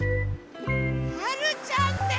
はるちゃんです！